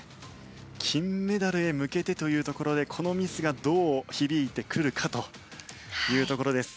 金メダルへ向けてというところでこのミスがどう響いてくるかというところです。